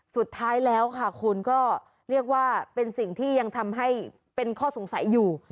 สุดท้ายแล้วค่ะคุณก็เรียกว่าเป็นสิ่งที่ยังทำให้เป็นข้อสงสัยอยู่